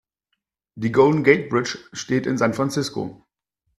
Die Golden Gate Bridge steht in San Francisco.